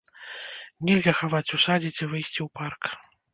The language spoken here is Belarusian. Нельга хаваць у садзе, ці выйсці ў парк.